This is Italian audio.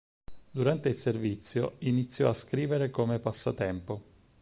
Durante il servizio iniziò a scrivere come passatempo.